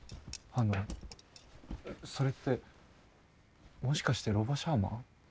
あのそれってもしかしてロボシャーマン？